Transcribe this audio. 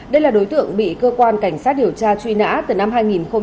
đây là đối tượng bị cơ quan cảnh sát điều tra truy nã từ năm hai nghìn một mươi